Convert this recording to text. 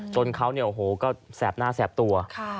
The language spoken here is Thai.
จนเขาเนี่ยโอ้โหก็แสบหน้าแสบตัว